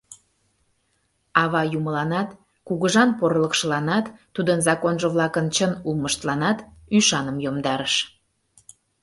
Ава юмыланат, кугыжан порылыкшыланат, тудын законжо-влакын чын улмыштланат ӱшаным йомдарыш.